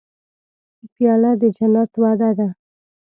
پیاله د جنت وعده ده.